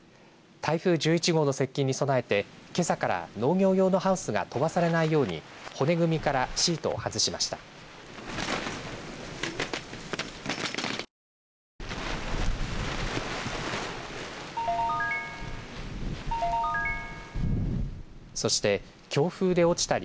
台風１１号の接近に備えてけさから農業用のハウスが飛ばされないように骨組みからシートを外しました。